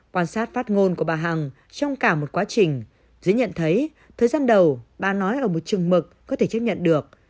quan sát phát ngôn của bà hằng trong cả một quá trình dễ nhận thấy thời gian đầu bà nói ở một chừng mực có thể chấp nhận được